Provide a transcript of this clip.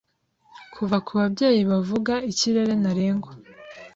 Kuva kubabyeyi bavuga, "ikirere ntarengwa!"